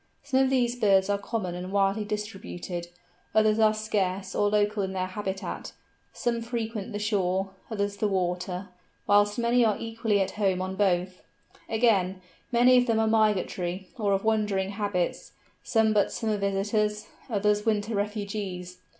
Some of these birds are common and widely distributed; others are scarce or local in their habitat; some frequent the shore, others the water; whilst many are equally at home on both. Again, many of them are migratory, or of wandering habits; some but summer visitors, others winter refugees.